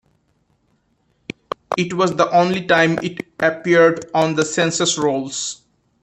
It was the only time it appeared on the census rolls.